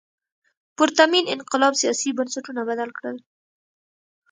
پرتمین انقلاب سیاسي بنسټونه بدل کړل.